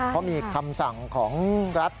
เขามีคำสั่งของรัฐ